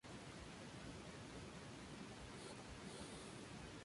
Mientras Patton se recuperaba de sus heridas, finalizaron las hostilidades.